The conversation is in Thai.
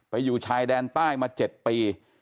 อยู่ชายแดนใต้มา๗ปี